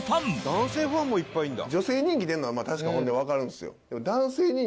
「男性ファンもいっぱいいるんだ」